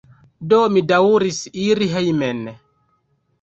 Do, mi daŭris iri hejmen.